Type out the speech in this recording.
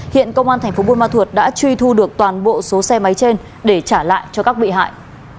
hiện công an thành phố buôn ma thuột đã truy thu được toàn bộ số xe máy trên để trả lại cho các bị hại